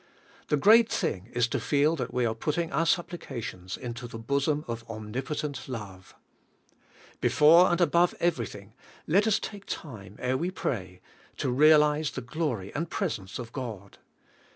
The great thing is to feel that we are putting our sup plications into the bosom of omnipotent Love. Be fore and above everything^ let us take time ere we pray to realize the glory and presence of God.